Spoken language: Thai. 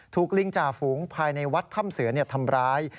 ลิงจ่าฝูงภายในวัดถ้ำเสือทำร้าย